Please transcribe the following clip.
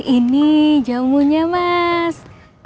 ini jamunya mas